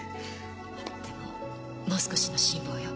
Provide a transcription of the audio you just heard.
でももう少しの辛抱よ。